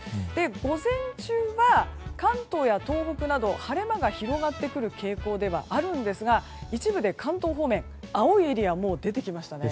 午前中は関東や東北など晴れ間が広がってくる傾向ではあるんですが一部で関東方面青いエリアもう出てきましたね。